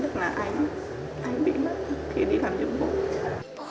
được là anh anh bị mất thì đi làm giúp bố